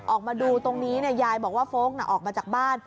ออกมาดูตรงนี้ยายบอกว่าโฟลกออกมาจากบ้าน